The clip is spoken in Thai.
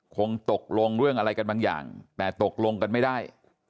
คงตกลงเรื่องอะไรกันบางอย่างแต่ตกลงกันไม่ได้